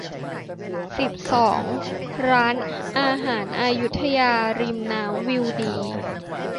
สิบสอง ร้านอาหารอยุธยา ริมน้ำ วิวดี